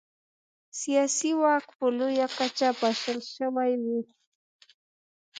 سیاسي واک په لویه کچه پاشل شوی و.